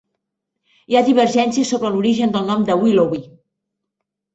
Hi ha divergències sobre l'origen del nom de Willoughby.